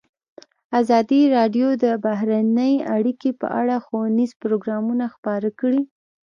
ازادي راډیو د بهرنۍ اړیکې په اړه ښوونیز پروګرامونه خپاره کړي.